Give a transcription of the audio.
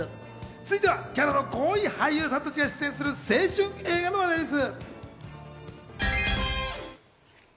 続いては、キャラの濃い俳優さんたちが出演する青春映画の話題です。